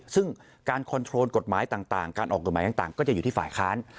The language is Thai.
ซึ่งการคอนโทรลกฎหมายต่างการออกกฎหมายต่างก็จะอยู่ที่ฝ่ายค้าน